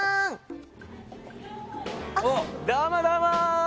どうもどうも！